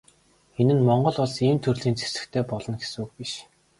Энэ нь Монгол Улс ийм төрлийн зэвсэгтэй болно гэсэн үг биш.